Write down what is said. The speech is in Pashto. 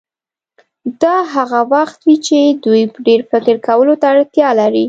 دا هغه وخت وي چې دوی ډېر فکر کولو ته اړتیا لري.